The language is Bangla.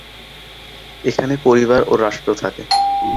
এখানে পরিবার ও রাষ্ট্র থাকে।